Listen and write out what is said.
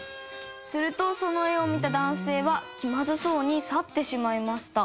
すると、その絵を見た男性は気まずそうに去ってしまいました。